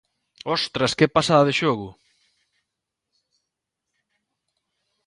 Hostras! Que pasada de xogo!